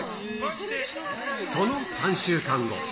その３週間後。